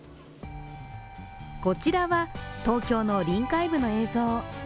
こちらは東京の臨海部の映像。